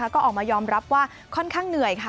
ก็ออกมายอมรับว่าค่อนข้างเหนื่อยค่ะ